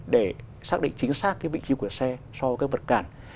để xác định chính xác vị trí của xe so với vật cản